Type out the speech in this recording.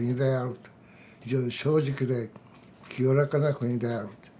非常に正直で清らかな国である。